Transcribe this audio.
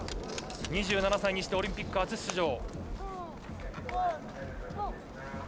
２７歳にしてオリンピック初出場。